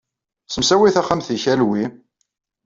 Ssemsawi taxxamt-nnek a Louie.